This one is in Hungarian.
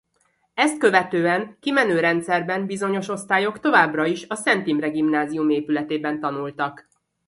Ezt követően kimenő rendszerben bizonyos osztályok továbbra is a Szent Imre Gimnázium épületében tanultak.